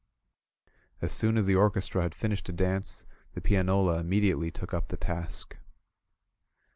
As soon as the orchestra had finished a dance, the pianola immediately took up the task.